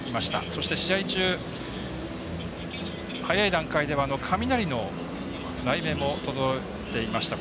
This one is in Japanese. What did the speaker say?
そして試合中、早い段階で雷の雷鳴も届いていました